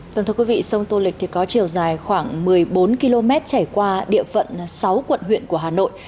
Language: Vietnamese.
vâng thưa quý vị sông tô lịch có chiều dài khoảng một mươi bốn km trải qua địa phận sáu quận huyện của hà nội